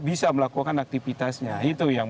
bisa melakukan aktivitasnya itu yang